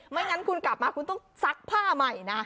งั้นคุณกลับมาคุณต้องซักผ้าใหม่นะ